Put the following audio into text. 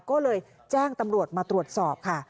ก็เลยแจ้งตำรวจมาตรวจสอบค่ะ